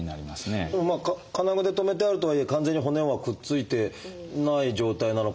でも金具で留めてあるとはいえ完全に骨はくっついてない状態なのかもしれない。